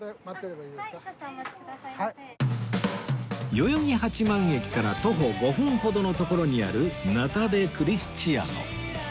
代々木八幡駅から徒歩５分ほどの所にあるナタデクリスチアノ